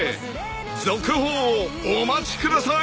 ［続報をお待ちください］